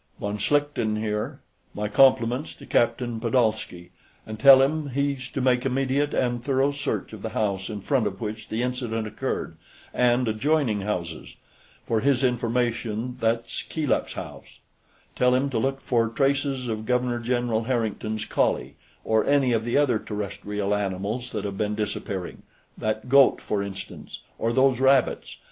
"Von Schlichten here; my compliments to Captain Pedolsky, and tell him he's to make immediate and thorough search of the house in front of which the incident occurred, and adjoining houses. For his information, that's Keeluk's house. Tell him to look for traces of Governor General Harrington's collie, or any of the other terrestrial animals that have been disappearing that goat, for instance, or those rabbits.